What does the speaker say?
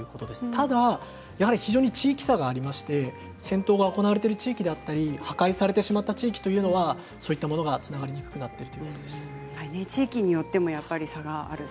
ただ非常に地域差がありまして戦闘が行わている地域だったり破壊されてしまった地域はそういったものがつながりにくくなっているということでした。